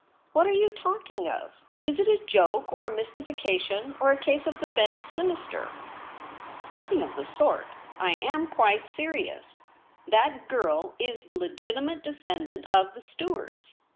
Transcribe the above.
What are you talking of? Is it a joke or a mystification, or a case of the bend sinister ?'' Nothing of the sort. I am quite serious. That o^irl is the leeltimate descendant of the Stuarts.